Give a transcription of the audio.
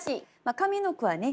上の句はね